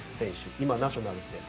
今ナショナルズです。